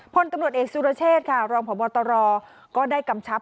ผลกำหนดเอกสุรเชษฐ์ค่ะรองประบอตรก็ได้กำชับ